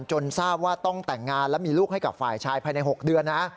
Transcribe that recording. ทราบว่าต้องแต่งงานและมีลูกให้กับฝ่ายชายภายใน๖เดือนนะ